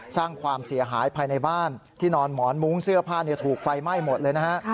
สร้างความเสียหายภายในบ้านที่นอนหมอนมุ้งเสื้อผ้าถูกไฟไหม้หมดเลยนะฮะ